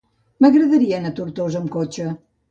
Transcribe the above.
M'agradaria anar a Tortosa amb cotxe.